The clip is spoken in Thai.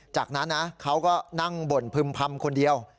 จากนั้นนะเขาก็นั่งบ่นพึ่มพำคนเดียว